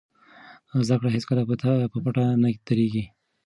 زده کړه هېڅکله په ټپه نه دریږي.